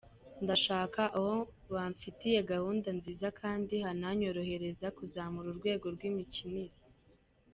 Ndashaka aho bamfitiye gahunda nziza kandi hananyorohereza kuzamura urwego rw’imikinire.